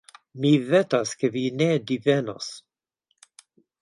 Mi vetas, ke vi ne divenos.